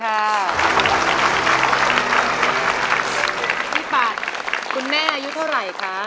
ปัดคุณแม่อายุเท่าไหร่คะ